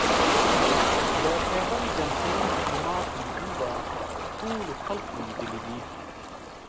د خیبر ایجنسۍ د جومات ویدیو به ټولو خلکو لیدلې وي